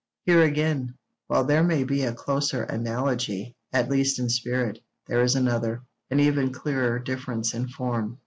Here again, while there may be a closer 'analogy,' at least in spirit, there is another, and even clearer difference in form.